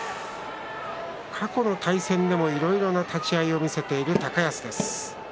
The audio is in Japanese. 過去の対戦でも、いろいろな立ち合いを見せている高安です。